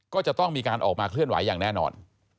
ก็จะต้องมีการออกมาเคลื่อนไหวอย่างแน่นอน